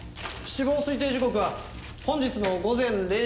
死亡推定時刻は本日の午前０時から３時の間。